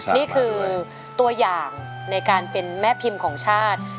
นี่คือตัวอย่างในการเป็นแม่พิมพ์ของชาติ